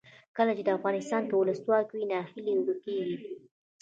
کله چې افغانستان کې ولسواکي وي ناهیلي ورکیږي.